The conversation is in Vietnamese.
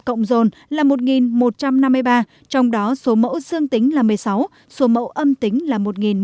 cộng dồn là một một trăm năm mươi ba trong đó số mẫu xương tính là một mươi sáu số mẫu âm tính là một một trăm ba mươi bảy